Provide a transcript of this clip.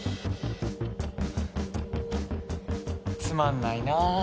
つまんないなあ。